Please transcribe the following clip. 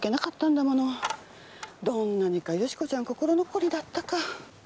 どんなにか美子ちゃん心残りだったか。